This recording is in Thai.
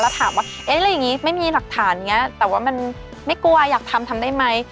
แล้วถามว่าเอ๊ะอะไรอย่างนี้ไม่มีหลักฐานอย่างนี้แต่ว่ามันไม่กลัวอยากทำทำได้ไหม